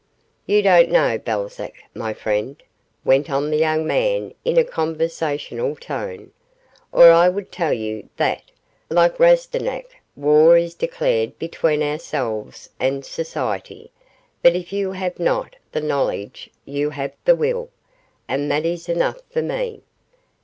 'You don't know Balzac, my friend,' went on the young man in a conversational tone, 'or I would tell you that, like Rastignac, war is declared between ourselves and society; but if you have not the knowledge you have the will, and that is enough for me.